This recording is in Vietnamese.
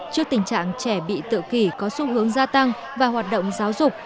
trước tình trạng trẻ bị tự kỷ có xu hướng gia tăng và hoạt động giáo dục